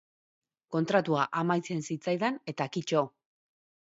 Kontratua amaitzen zitzaidan eta kito.